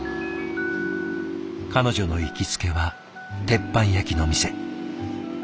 彼女の行きつけは鉄板焼きの店。